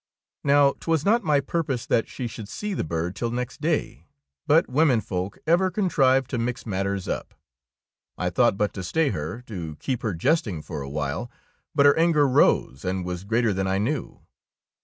Now 't was not my purpose that she should see the bird till next day, but womenfolk ever contrive to mix mat ters up. I thought but to stay her, to keep her jesting for a while; but her anger rose and was greater than I knew.